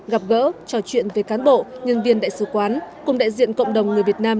gặp gỡ trò chuyện với cán bộ nhân viên đại sứ quán cùng đại diện cộng đồng người việt nam